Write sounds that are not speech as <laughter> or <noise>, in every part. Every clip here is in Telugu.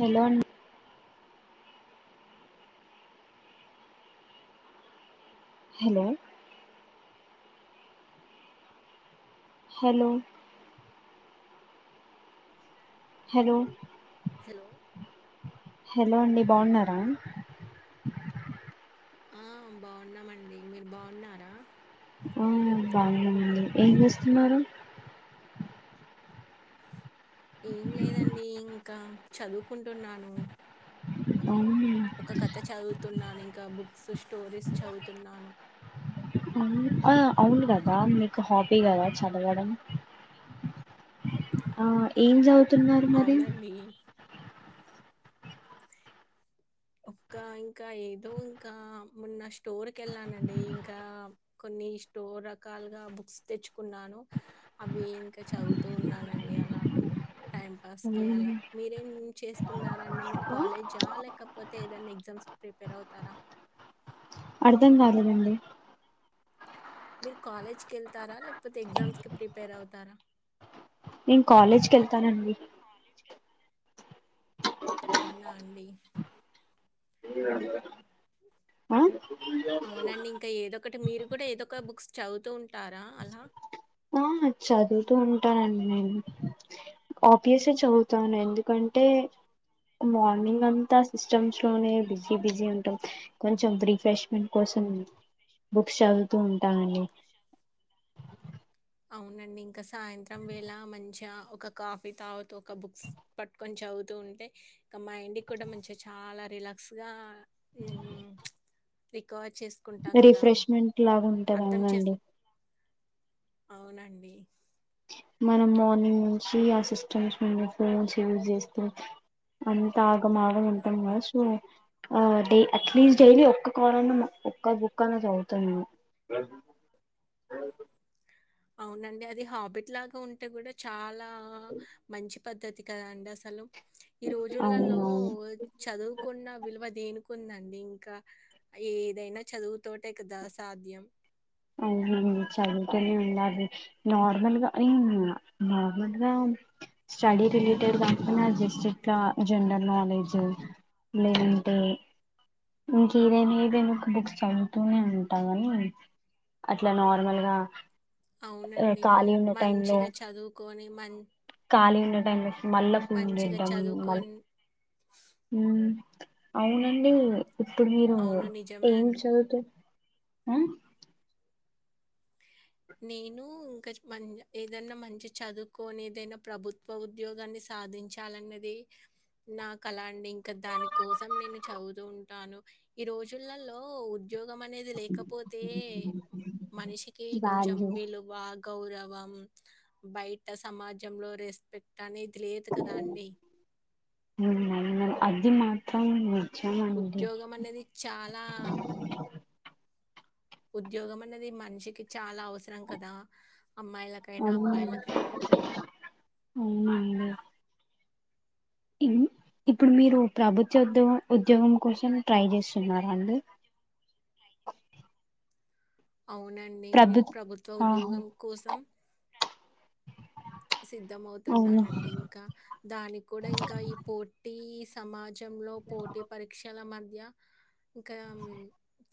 హలో ఆన్ hello hello hello hello hello అండి బాగున్నారా ఆ బాగున్నామండి మీరు బాగున్నారా హా బాగుంది ఏం చేస్తున్నారు ఏం లేదండి ఇంకా చదువుకుంటున్నాను అవు ఒక కథ చదువుతున్నాను ఇంకా బుక్స్ స్టోరీస్ చదువుతున్నాను అవును ఆ అవును కదా మీకు హాబీ కదా చదవడం ఆ ఏం చదు వతున్నారు మరి అవునండి ఒక్క ఇంకా ఏదో ఇంకా మొన్న స్టోర్ క వెళ్ళానండి ఇంకా కొన్ని స్టోర్ రకాలుగా బుక్స్ తెచ్చుకున్నాను అవి ఇంకా చదువుతూ ఉన్నానండి అలా టైం పాస్ కి అలా మీరేం చేస్తున్నారండి మీరు కాలేజ ఆ లె కాకపోతే ఏదైనా ఎగ్జామ్స్కి ప్రిపేర్ అవుతారా అర్థం కాలేదండి మీరు కాలేజ్ క వెళ్తారా లేకపోతే ఎగ్జామ్స్ కి ప్రిపేర్ అవుతారా నేను కాలేజ్క వెళ్తానండి అవునా అండి ఆ అవునండి ఇంకా ఏదొ ఒకటి మీరు కూడా ఏదో ఒక బుక్స్ చదువుతూ ఉంటారా అలా ఆ చదువుతూ ఉంటానండి నేను ఆబ్వియస్గా చదువుతాను ఎందుకంటే మార్నింగ్ అంతా సిస్టమ్స్ లోనే బిజీ బిజీ ఉంటాం కొంచెం రీఫ్రెష్మెంట్ కోసం బుక్స్ చదువుతూ ఉంటానండి అవునండి ఇంకా సాయంత్రం వేళ మంచిగా ఒక కాఫీ తావాత ఒక బుక్స్ పట్టుకొని చదువుతూ ఉంటే ఇంకా మైండ్కి కూడా మంచిగా చాలా రిలాక్స్గా రిఫ్రెష్మెంట్ లాగా ఉంటు అర్థం చేస్ బాంగండి అవునండి మనం మార్నింగ్ నుంచి ఆ సిస్టమ్స్ ను ఫోన్స్ యూస్ చేస్తే అంత ఆగమాగ ఉంటాం కదా సో డై అట్లీస్ట్ డైలీ ఒక్క కాలన్నా ఒక్క బుక్ అన్నా చదువుతాం మేము అవునండి అది హాబిట్ లాగా ఉంటే కూడా చాలా మంచి పద్ధతి కదాండి అసలు ఈ రోజులలో అవునవును చదువుకున్న విలువ దేని కుందండి ఇంకా ఏదైనా చదువుతోటే కదా సాధ్యం అవునండి చదువుతూనే నార్మల్గా అది నార్మల్గా స్టడీ రిలేటెడ్ కాకుడా జస్ట్ ఇట్లా జనరల్ నాలెడ్జ్ లేదంటే ఇంకేదైనా ఏదైనా ఒక బుక్స్ చదువుతూనే ఉంటా కానీ అట్లా నార్మల్గా అవునండి మంచిగా చదువుకొని మ మల్ల ఫెడ్డం మల్ల అవునండి ఇప్పుడు మీరు అవును. నిజమే ఏం అండి. చదువుతూ హ నేను ఇంకా మంచి ఏదన్నా మంచి చదువుకొని ఏదైనా ప్రభుత్వ ఉద్యోగాన్ని సాధించాలిన్నది నా కళ అండి ఇంకా దాని కోసం నేను చదువుతూ ఉంటాను ఈ రోజులలో ఉద్యోగ గం అనేది లేకపోతే మనిషికి కొంచెం వాల్యూ విలువ గౌరవం బయట సమాజంలో రెస్పెక్ట్ అని హు అది మాత్ర తమ్ము ఉద్యోగం అనేది చాలా ఉద్యోగం అన్నది మన్షికి చ చాలా అవసరం కదా. అమ్మాయిలకైనా అవును అబ్బాయిలకైనా. అవునండి ఇన్ ఇప్పుడు మీరు ప్రభుత్వ ఉద్యో ఉద్యోగం కోసం ట్రై చేస్తున్నరా అండి? అవునండి నే ప్రభు ప్రభుత్వ ఆహా ఉద్యోగం కోసం అవును సిద్ధమవుతున్నానండి ఇంక దానికి కూడా ఇంక ఈ పోటీ సమాజంలో పోటీ పరీక్షల మధ్య ఇంకా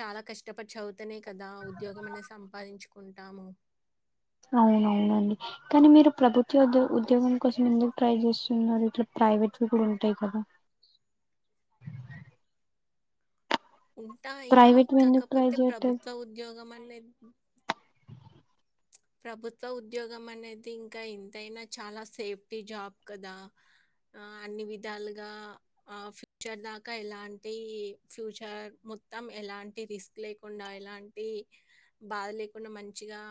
చాలా కష్టపడి చదువుతనే కదా ఉద్యోగం అనే సంపాదించుకుంటాము. అవునవునండి. కానీ మీరు ప్రభుత్వ ఉద్య ఉద్యోగం కోసం ఎందుకు ట్రై చేస్తున్నారు ఇట్ల ప్రైవేట్వీ కూడ ఉంటయి కదా? ఉంటాయి ప్రైవేట్వి ఎందుకు ట్రై కాకపోతే చేయట్లేదు ప్రభుత్వ ఉద్యోగం అన్ లే హుం ప్రభుత్వ ఉద్యోగం అనేది ఇంక ఎంతైనా చాలా సేఫ్టీ జాబ్ కదా. అన్ని విధాలుగా ఆ ఫ్యూచర్ దాకా ఎలాంటి ఫ్యూచర్ మొత్తం ఎలాంటి రిస్క్ లేకుండ, ఎలాంటి బాధ లేకుండ, మంచిగా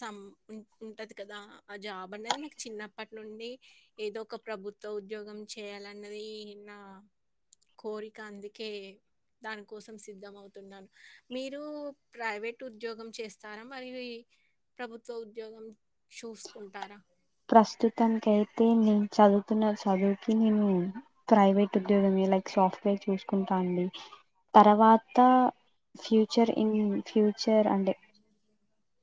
సం ఉన్ ఉంటది కదా. ఆ జాబ్ అన్నది నాకు చిన్నప్పటి నుండి ఏదో ఒక ప్రభుత్వ ఉద్యోగం చేయాలన్నది నా కోరిక అందుకే, దానికోసం సిద్ధం అవుతున్నాను. మీరు ప్రైవేట్ ఉద్యోగం చేస్తారా మరి ఈ ప్రభుత్వ ఉద్యోగం చూసుకుంటారా? ప్రస్తుతానికి అయితే నేను చదువుతున్న చదువుకి నేను ప్రైవేట్ ఉద్యోగమే లైక్ సాఫ్ట్వేర్ చూసుకుంట అండి. తర్వాత ఫ్యూచర్ ఇన్ ఫ్యూచర్ అంటే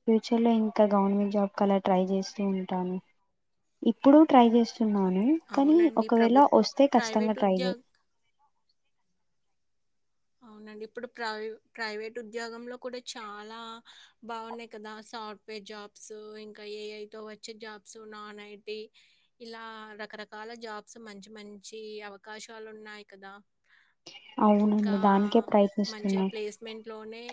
ఫ్యూచర్ లో ఇంకా గవర్నమెంట్ జాబ్ కలా ట్రై చేస్తూ ఉంటాను. ఇప్పుడు ట్రై చేస్ తున్నాను. కానీ అవునండి. ఒకవేళ ప్రభుత్ వస్తే కచ్చితంగా ప్రైవేట్ ట్రై ఏ ఉద్యోగ అవునండి ఇప్పుడు ప్రై ప్రైవేట్ ఉద్యోగంలో కూడా చాలా బాగున్నాయి కదా. సాఫ్ట్వేర్ జాబ్స్, ఇంకా ఏఐ తో వచ్చే జాబ్స్ నాన్ ఐటి ఇలా రకరకాల జాబ్స్ మంచి మంచి అవకాశాలు ఉన్నాయి కదా. ఇంకా అవునండి దానికే ప్రయత్నిస్తున్న ఏ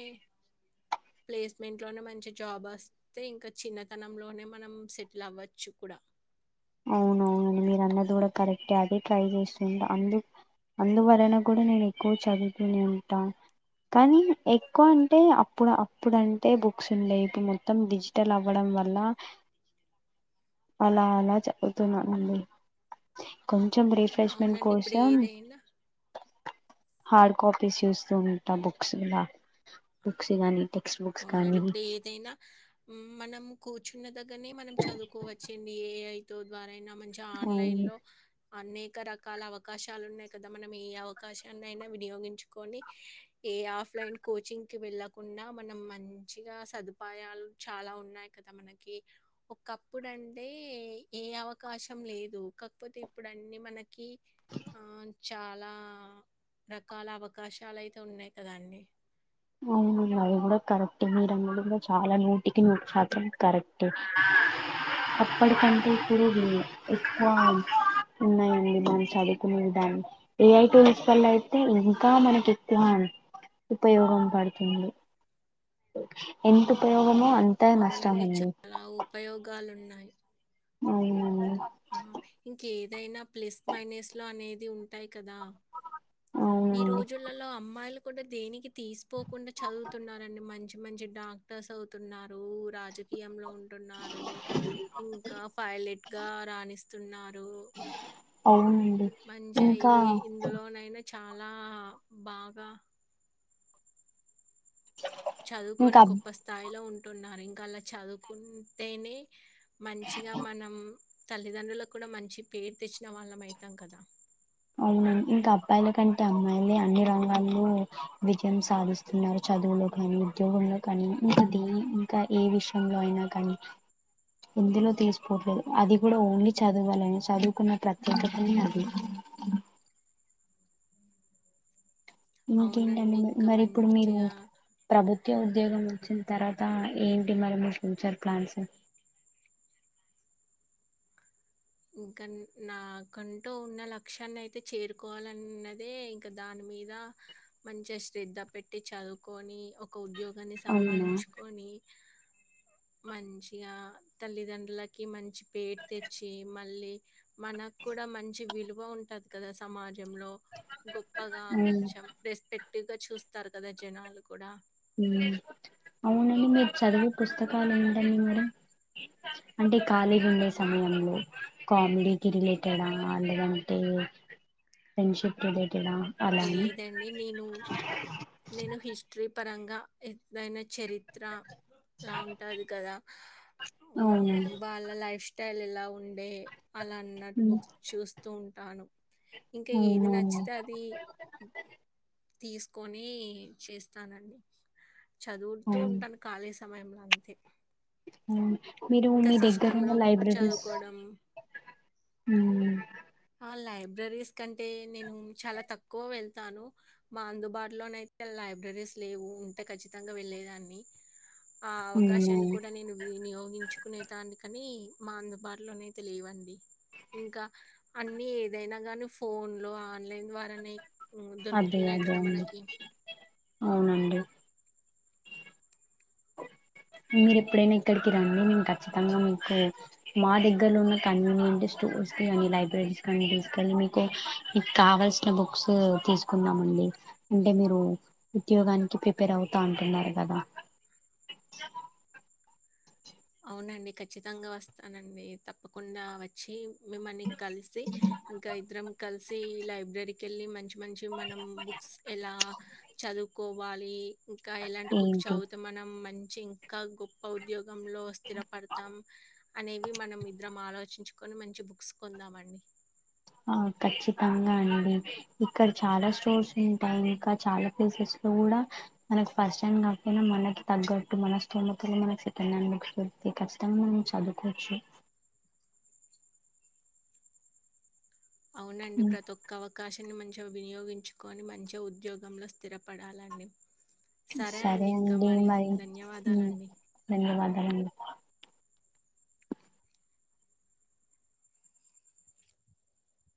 ప్లేస్మెంట్ లోనే మంచి జాబ్ అస్తే ఇంక చిన్నతనంలోనే మనం సెటిల్ అవ్వచ్చు కూడా. అవునవునండి మీరు అన్నది కూడా కరెక్టే అదే ట్రై చేస్తుంట. అందు అందువలన కూడా నేను ఎక్కువ చదువుతూనే ఉంట. కానీ, ఎక్కువ అంటే అప్పుడు అ ఇప్పుడంటే బుక్స్ ఉండే ఇపు మొ తం డిజిటల్ అవ్వడం వల్ల అలా అలా పోతున్న ఉండు కొ చం రిఫ్రెష్మెంట్ అవునండి. ఇప్పుడు కోసం ఏదైనా హార్డ్ కాపీస్ చూస్తూ ఉంట బుక్స్లా బుక్స్ కాని అవునండి ఇప్పుడు ఏదైనా మనం కూర్చున్న దగ్గరనే మనం చదువుకోవచ్చండి ఏ ఐ. తో ద్వారైనా మంచిగ అవును ఆన్లైన్లో అనేక రకాల అవకాశాలు ఉన్నాయి కదా మనం ఏ అవకాశాన్ని అయిన వినియోగించుకొని ఏ ఆఫ్లైన్ కోచింగ్కి వెళ్ళకుండ మనం మంచిగా సదుపాయాలు చాలా ఉన్నాయి కదా మనకి. ఒకప్పుడు అంటే ఏ అవకాశం లేదు కాకపోతే ఇప్పుడు అన్ని మనకి ఆ చాలా రకాల అవకాశాలు అయితే ఉన్నాయి కదా అండి. అవును అది కూడా కరెక్ట్ ఎ మీరన్నది కూడ చాలా నూటికి నూటి శాతం కరెక్ట్. అప్పటికంటే ఇప్పుడు ఎక్కువ ఉన్నాయండి దాని చదువుకునే దాన్ని. ఏఐ టూల్స్ వల్ల అయితే ఇంకా మనకి ఎక్కువ ఉపయోగం పడుతుంది ఎంత ఉపయో అవునండి చాలా ఉపయోగాలు ఉన్ న్నాయి అవునా అండి ఏదైనా ప్లస్ మైనస్లో అనేది ఉంటాయి కదా ఈ అవునండి రోజులలో అమ్మాయిలు కూడా దేనికి తీసిపోకుండా చదువుతున్నారండి మంచి మంచి డాక్టర్స్ అవుతున్నారు రాజకీయంలో ఉ వుంటున్నారు ఇంకా పైలెట్ గా రాణిస్తున్నారు అవునండి మంచిగా ఇంకా ఏ ఇందులోనైనా చాలా బాగా ఇంకా చదువుకొని అబ్ గొప్ప స్థాయిలో ఉంట టున్నారు ఇంకా అలా చదువుకుంటేనే మంచిగా మనం తల్లిదండ్రులకు కూడా మంచి పేరు తెచ్చిన వాళ్ళం అయితాం కదా అవునండి ఇంకా అబ్బాయిల కంటే అమ్మాయిలే అన్ని రంగాల్లో విజయం సాధిస్తున్నారు చదువులో కానీ ఉద్యోగంలో కానీ ఇది ఇంకా ఏ విషయంలో అయినా కానీ ఎందులో తీసుకోట్లేదు అది కూడా ఓన్లీ చదువాలని చదువుకున్న ప్రత్యేకతని అది అ ఇంకేంటండి అవునండి. ఇంకా మరి ఇప్పుడు మీరు మంచిగా ప్రభుత్వ నిత్య ఉద్యోగం వచ్చిన తర్వాత ఏంటి మరి మీ ఫ్యూచర్ ప్లాన్స్ ఇంకా నాకంటూ ఉన్న లక్ష్యాన్ని అయితే చేరుకోవాలన్నదే ఇంకా దాని మీద మంచి శ్రద్ధ పెట్టి చదువుకొని ఒక ఉద్యోగం కాని అవునా సంపాదించుకొని మంచిగా తల్లిదండ్రులకి మంచి పేరు తెచ్చి మళ్ళీ మనకు కూడా మంచి విలువ ఉంటది కదా సమాజం గొప్పగా అవును కొంచెం రెస్పెక్ట్ పటిగా చూస్తారు కదా జనాలు కూడా హ్మ్ అవునండి మీరు చదివే పుస్తకాలు ఏంటండి మేడం అంటే కాలిగా ఉండే సమయంలో కామెడీకి రిలేటెడా లేందుదంటే ఫ్రెండ్షిప్ రి లేదండి నేను నేను హిస్టరీ పరంగా ఏదైనా చరిత్ర అలా ఉంటది కదా మ్ అవునండి వాళ్ళ లైఫ్ స్టైల్ ఎలా ఉండే అలా అన్నట్టు ఉమ్, బుక్స్ చూస్త ఉంటాను ఇంకా ఏది అవునండి నచ్చితే అది <inaudible> తీసుకొని చేస్తానండి చదువుతూ అవును ఉంటాను కాలేజి సమయంలో అంతే మీరు ఇంకా మీ దగ్గర ఉన్న సిస్టంలో లైబ్రరీస్ చదువుకోవడం ఉమ్ ఆ! లైబ్రరీస్ కంటే నేను చాలా తక్కువ వెళ్తాను మా అందుబాటులోనయితే లైబ్రరీస్ లేవు ఉంటే ఖచ్చితంగా వెళ్ళేదాన్ని ఆ అవకాశాన్ని ఉన్నాయి కూడా నేను వినియోగించుకునే దానికని మా అందుబాటులోనయితే లేవండి ఇంకా అన్ని ఏదైనా గానీ ఫోన్ లో ఆన్లైన్ ద్వారానే హ్మ్, అదే దొరుకుతున్నాయి అదే కదా అండి మనకి. అవునండి. మీరు ఎప్పుడైనా ఇక్కడికి రండి నేను ఖచ్చితంగా మీకు మా దగ్గరలో ఉన్న కన్వీనియంట్ స్టోర్స్ కానీ లైబ్రరీస్ కానీ తీసుకెళ్ళి మీకు మీకు కావల్సిన బుక్స్ తీసుకుందామండి అంటే మీరు ఉద్యోగానికి ప్రిపేర్ అవుతా అంటున్నారు కదా. <unintelligible> అవునండి ఖచ్చితంగా వస్తానండి తప్పకుండా వచ్చి మిమ్మని కలిసి ఇంకా ఇద్దరం కలిసి సీ లైబ్రరీకి వెళ్ళి మంచి మంచి మనం బుక్స్ ఎలా చదువుకోవాలి ఇంకా ఎలాంటి బుక్ ఏంటి చదువుతే మనం మంచి చ్చి ఇంకా గొప్ప ఉద్యోగంలో స్థిరపడతాం అనేవి మనం ఇద్దరం ఆలోచించుకొని మంచి బుక్స్ కొందామండి ఆ ఖచ్చితంగా అండి ఇక్కడ చాలా స్టోర్స్ ఉంటాయి, ఇంకా చాలా ప్లేసెస్ లో కూడా మనకు ఫస్ట్ హ్యాండ్ కాకపోయినా మనకి తగ్గట్టు మన స్తోమతలో మనకి సెకండ్ హ్యాండ్ బుక్స్ పెడితే ఖచ్చితంగా మనం చదువుకోవచ్చు. అవునండి ప్రతి ఒక్క అవకాశాన్ని మన్ చౌ వినియోగించుకొని మంచిగా ఉద్యోగంలో స్థిరపడాలని సరే అండి మరి ధన్యవాదాలండి. ధన్యవాదాలండి